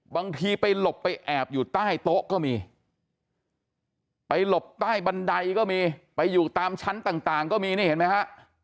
บางทีไปหลบไปแอบอยู่ใต้โต๊ะก็มีไปหลบใต้บันไดก็มีไปอยู่ตามชั้นต่างก็มีนี่เห็นไหมฮะ